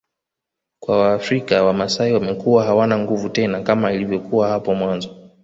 kwa Afrika wamasai wamekuwa hawana nguvu tena kama ilivyokuwa hapo mwanzo